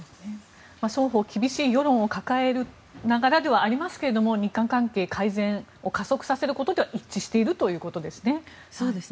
双方厳しい世論を抱えながらではありますが日韓関係改善を加速させることで一致しているということですね。